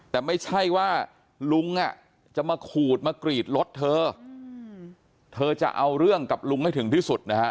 แต่ไม่ใช่ว่าลุงอ่ะจะมาขูดมากรีดรถเธอเธอจะเอาเรื่องกับลุงให้ถึงที่สุดนะฮะ